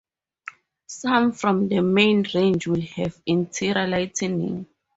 Some from the main range will have interior lighting.